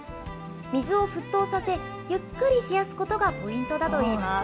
水を沸騰させ、ゆっくり冷やすことがポイントだといいます。